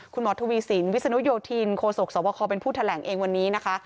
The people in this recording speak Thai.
คุณหมอทวีสินวิศนุโยธินโคศกสวบคเป็นผู้แถลงเองวันนี้นะคะ